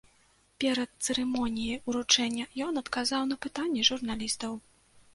Перад цырымоніяй уручэння ён адказаў на пытанні журналістаў.